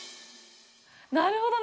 なるほどね！